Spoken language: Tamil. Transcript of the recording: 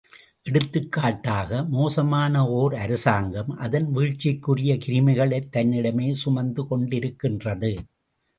எடுத்துக்காட்டாக, மோசமான ஓர் அரசாங்கம், அதன் வீழ்ச்சிக்குரிய கிருமிகளைத் தன்னிடமே சுமந்து கொண்டிருக்கின்றது.